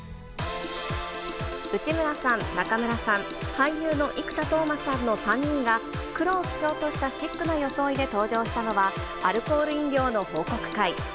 内村さん、中村さん、俳優の生田斗真さんの３人が、黒を基調としたシックな装いで登場したのは、アルコール飲料の報告会。